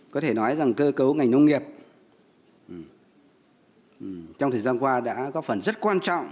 có thể nói rằng cơ cấu ngành nông nghiệp trong thời gian qua đã có phần rất quan trọng